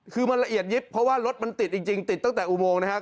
คือมันละเอียดยิบเพราะว่ารถมันติดจริงติดตั้งแต่อุโมงนะครับ